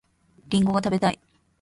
りんごが食べたい